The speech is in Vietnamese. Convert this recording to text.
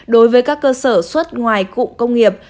đối với các cơ sở xuất ngoài cụ công nghiệp